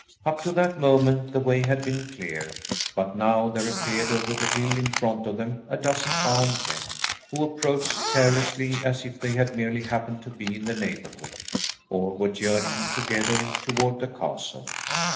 Up to that moment the way had been clear, but now there appeared over the hill in front of them a dozen armed men, who approached carelessly as if they had merely happened to be in the neighbourhood, or were journeying together toward the castle.